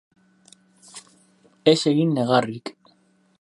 Ez egin negarrik.